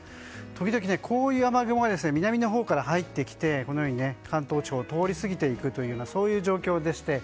時々、こういう雨雲が南のほうから入ってきてこのように関東地方を通り過ぎていくというようなそういう状況でして。